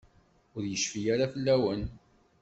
Ur yecfi ara fell-awen.